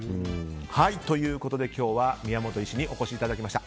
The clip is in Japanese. ということで今日は宮本医師にお越しいただきました。